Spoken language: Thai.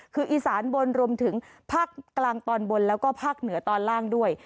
คืออีสานบนรวมถึงภาคกลางตอนบนแล้วก็ภาคเหนือตอนล่างด้วย